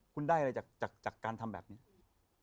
คุณได้อะไรจากการทำแบบนี้